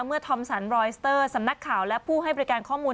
ทอมสันรอยสเตอร์สำนักข่าวและผู้ให้บริการข้อมูล